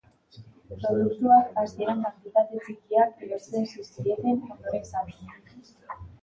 Produktuak, hasieran kantitate txikiak, erosten zizkieten, ondoren saltzeko.